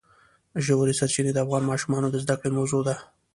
ژورې سرچینې د افغان ماشومانو د زده کړې موضوع ده.